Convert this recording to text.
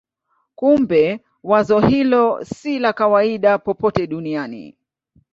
Kumbe wazo hilo si la kawaida popote duniani.